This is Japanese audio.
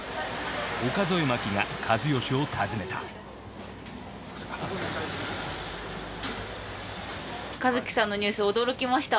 岡副麻希が一義を訪ねた一樹さんのニュース驚きました。